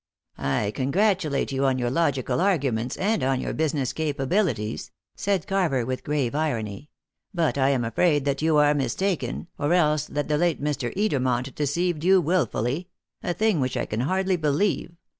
"I congratulate you on your logical arguments, and on your business capabilities," said Carver with grave irony; "but I am afraid that you are mistaken, or else that the late Mr. Edermont deceived you wilfully a thing which I can hardly believe.